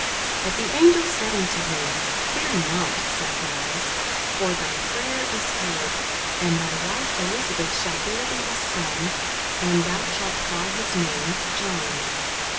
42:001:013 But the angel said unto him, Fear not, Zacharias: for thy prayer is heard; and thy wife Elisabeth shall bear thee a son, and thou shalt call his name John.